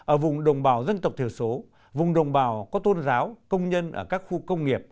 ở vùng đồng bào dân tộc thiểu số vùng đồng bào có tôn giáo công nhân ở các khu công nghiệp